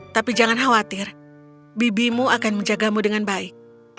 tapi jangan khawatir bibimu akan menjagamu dengan baik